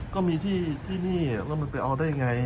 ก็มีที่ที่นี่อ่ะแล้วมันไปเอาได้ไงอ่ะอืม